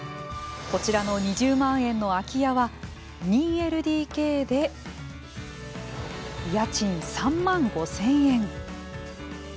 こちらの２０万円の空き家は２ＬＤＫで家賃３万５０００円。